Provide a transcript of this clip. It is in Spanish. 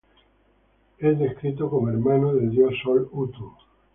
Es descrito como hermano del dios sol Utu.